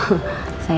kita liat sebentar